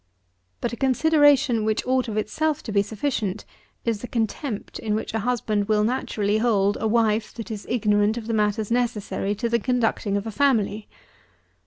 But a consideration which ought of itself to be sufficient, is the contempt in which a husband will naturally hold a wife that is ignorant of the matters necessary to the conducting of a family.